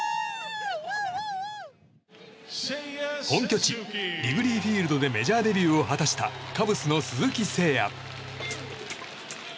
本拠地リグリーフィールドでメジャーデビューを果たしたカブスの鈴木誠也。